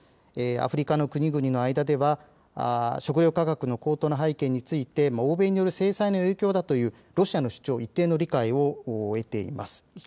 アフリカの国々の間では食料価格の高騰の背景について欧米による制裁の影響だというロシアの主張が一定の評価を得ています。